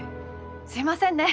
すいませんね！